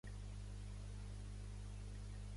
Telefona al Niko Bañez.